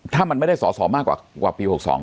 ถ้ามันไม่ได้สอสอมากกว่าปี๖๒